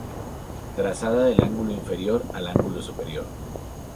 Trazada del ángulo inferior al ángulo superior.